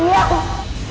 kau gak takut